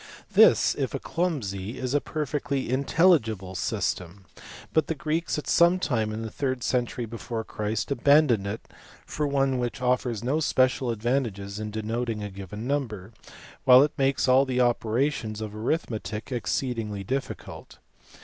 This, if a clumsy, is a perfecly intelligible system; but the iGreeks at some time in the third century before Christ aban doned it for one which offers no special advantages in denoting a given number, while it makes all the operations of arithmetic (exceedingly difficult.